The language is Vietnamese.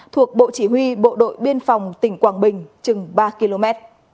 thuộc bộ chỉ huy bộ đội biên phòng tỉnh quảng bình chừng ba km